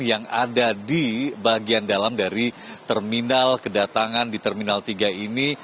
yang ada di bagian dalam dari terminal kedatangan di terminal tiga ini